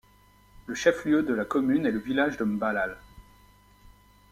Le chef-lieu de la commune est le village de M'Balal.